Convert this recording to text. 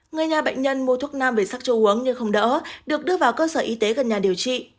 người nhà bệnh nhân mua thuốc nam bởi sắc châu uống nhưng không đỡ được đưa vào cơ sở y tế gần nhà điều trị